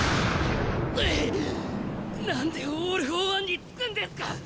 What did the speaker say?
ううっ何でオール・フォー・ワンにつくんですか！